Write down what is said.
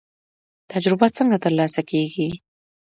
تجربه څنګه ترلاسه کیږي؟